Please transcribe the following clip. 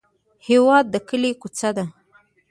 هېواد د کلي کوڅه ده.